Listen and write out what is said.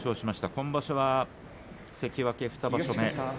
今場所、関脇２場所目。